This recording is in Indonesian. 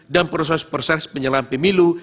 dan proses proses penyelenggaraan pemilu